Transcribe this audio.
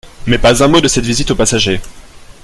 Mais pas un mot de cette visite aux passagers. ..